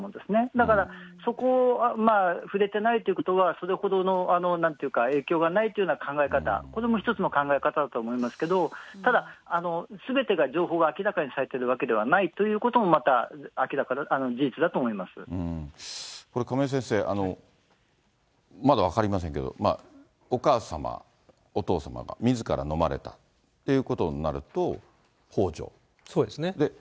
だから、そこを触れてないってことは、それほどの、なんというか影響がないというような考え方、これも一つの考え方だと思いますけど、ただ、すべてが情報が明らかにされているわけではないということも、まこれ亀井先生、まだ分かりませんけど、お母様、お父様、みずから飲まれたっていうことになるそうですね。